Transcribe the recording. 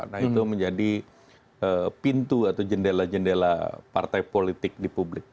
nah itu menjadi pintu atau jendela jendela partai politik di publik